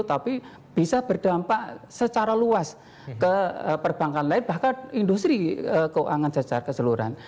tapi bisa berdampak secara luas ke perbankan lain bahkan industri keuangan secara keseluruhan